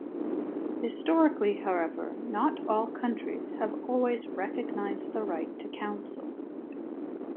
Historically, however, not all countries have always recognized the right to counsel.